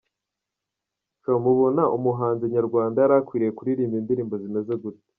com :Mubona umuhanzi nyarwanda yari akwiye kuririmba indirimbo zimeze gute?.